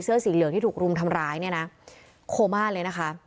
เสื้อสีเหลืองที่ถูกรุมทำร้ายเนี่ยนะโคม่าเลยนะคะ